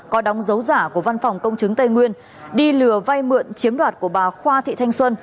có đóng dấu giả của văn phòng công chứng tây nguyên đi lừa vay mượn chiếm đoạt của bà khoa thị thanh xuân